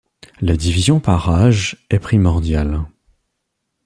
La division par âge est primordiale.